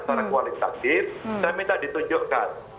secara kualitatif saya minta ditunjukkan